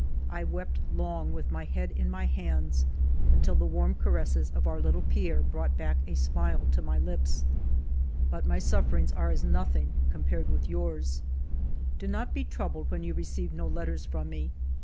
I wept long, with my head in my hands, until the warm caresses of our little Pierre brought back a smile to my lips. But my sufferings are as nothing compared with yours. ..." Do not be troubled when you receive no letters from me.